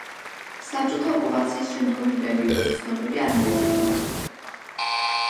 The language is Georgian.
საბჭოთა ოკუპაციის შემდგომი პერიოდის ცნობები არ მოიძებნება.